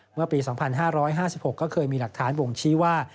เมื่อปี๒๕๕๖ก็เคยมีหลักฐานบ่งชี้ว่า